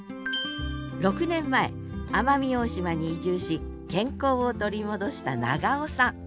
６年前奄美大島に移住し健康を取り戻した長尾さん。